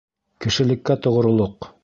Кешелеккә тоғролоҡ